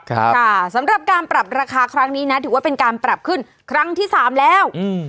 ค่ะสำหรับการปรับราคาครั้งนี้นะถือว่าเป็นการปรับขึ้นครั้งที่สามแล้วอืม